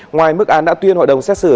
ngoài mức án đã tuyên hội đồng xét xử